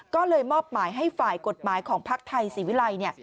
ก็เลยมอบหมายให้ฝ่ายกฏหมายของภาคไทยศิวิไล่